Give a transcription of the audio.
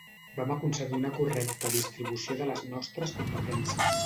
Vam aconseguir una correcta distribució de les nostres competències.